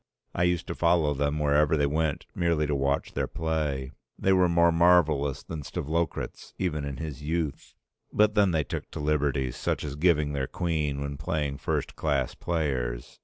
I used to follow them wherever they went merely to watch their play. They were more marvellous than Stavlokratz even in his youth. But then they took to liberties such as giving their queen when playing first class players.